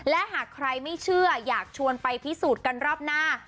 และหากใครไม่เชื่ออยากชวนไปพิสูจน์กันรอบหน้า